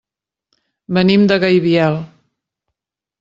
Venim de Gaibiel.